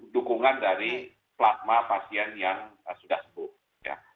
dukungan dari plasma pasien yang sudah sembuh ya